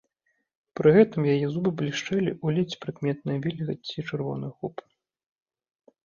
Пры гэтым яе зубы блішчэлі ў ледзь прыкметнай вільгаці чырвоных губ.